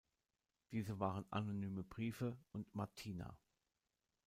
Diese waren "Anonyme Briefe" und "Martina".